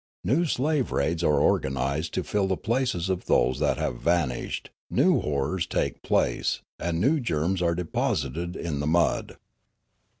New slave raids are organised to fill the places of those that have vanished ; new hor rors take place, and new germs are deposited in the mud."